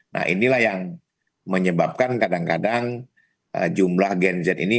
nah inilah yang menyebabkan kadang kadang jumlah gen z ini